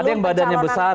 ada yang badannya besar